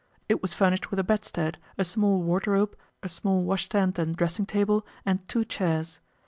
It was furnished with a bedstead, a small wardrobe, a small washstand and dressing table, and two chairs.